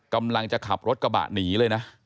กำลังจะขับรถกระบะหนีเลยนะ